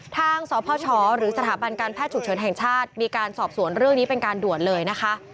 ทางสพชหรือสถาบันการแพทย์ฉุกเฉินแห่งชาติมีการสอบสวนเรื่องนี้เป็นการด่วนเลยนะคะ